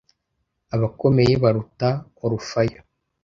Abakomeye, baruta Orufayo?